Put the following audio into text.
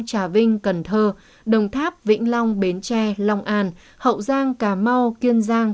trà vinh cần thơ đồng tháp vĩnh long bến tre long an hậu giang cà mau kiên giang